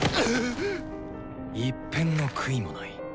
一片の悔いもない。